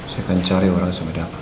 saya akan cari orang sampai dapat